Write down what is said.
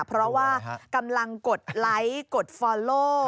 เพราะว่ากำลังกดไลค์กดฟอลโล่